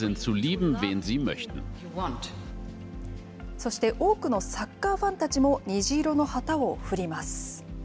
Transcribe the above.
そして、多くのサッカーファンたちも虹色の旗を振ります。